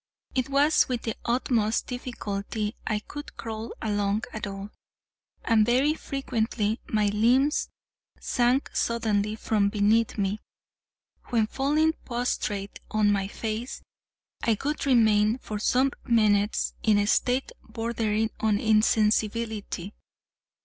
It was with the utmost difficulty I could crawl along at all, and very frequently my limbs sank suddenly from beneath me; when, falling prostrate on my face, I would remain for some minutes in a state bordering on insensibility.